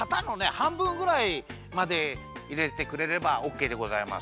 はんぶんぐらいまでいれてくれればオッケーでございます。